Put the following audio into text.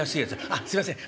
「あっすいません。